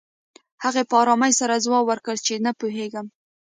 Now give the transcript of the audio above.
هغې په ارامۍ سره ځواب ورکړ چې نه پوهېږم